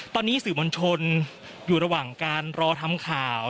ตอนนี้สื่อมวลชนอยู่ระหว่างการรอทำข่าว